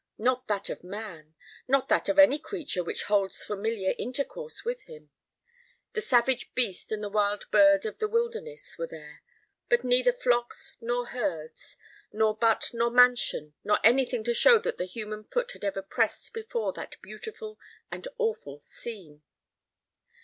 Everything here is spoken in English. Not that of man; not that of any creature which holds familiar intercourse with him. The savage beast and the wild bird of the wilderness were there; but neither flocks, nor herds, nor but, nor mansion, nor anything to show that the human foot had ever pressed before that beautiful and awful scene.